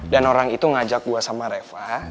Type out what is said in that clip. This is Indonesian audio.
dan orang itu ngajak gue sama reva